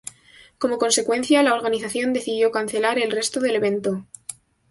Como consecuencia, la organización decidió cancelar el resto del evento.